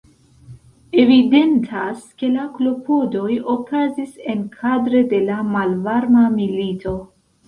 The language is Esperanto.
Evidentas ke la klopodoj okazis enkadre de la Malvarma Milito.